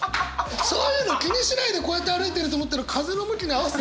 そういうの気にしないでこうやって歩いてると思ったら風の向きに合わせて。